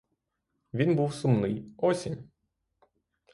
Він був сумний — осінь.